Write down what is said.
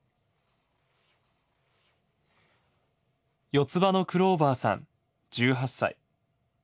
四つ葉のクローバーさん１８歳。